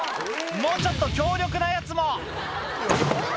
もうちょっと強力なやつもうわ！